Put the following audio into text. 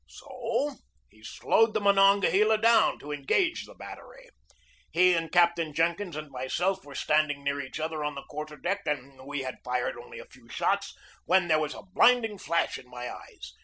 So he slowed the Monongahela down to engage the battery. He and Captain Jenkins and myself were standing near each other on the quarter deck and we had fired only a few shots when there was a blinding flash in my eyes.